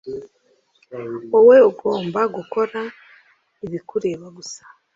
wowe ugomba gukora ibikureba gusa